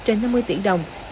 trên năm mươi tỷ đồng